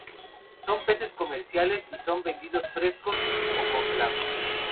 Son peces comerciales, y son vendidos frescos o congelados.